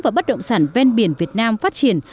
và bất động sản ven biển việt nam phát triển